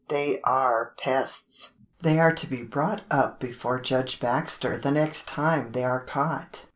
They are pests! They are to be brought up before Judge Baxter the next time they are caught.